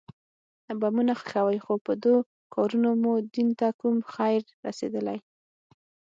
بمونه ښخوئ خو په دو کارونو مو دين ته کوم خير رسېدلى.